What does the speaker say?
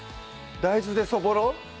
大豆でそぼろ？